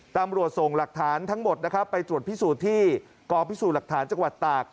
ตำรวจส่งหลักฐานทั้งหมดนะครับไปตรวจพิสูจน์ที่กองพิสูจน์หลักฐานจังหวัดตาก